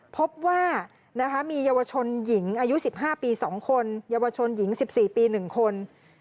พบว่ามีเยาวชนหญิงอายุ๑๕ปี๒คนเยาวชนหญิง๑๔ปี๑คน